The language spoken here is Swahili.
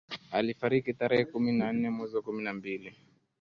Alifariki tarehe kumi na nne mwezi wa kumi na mbili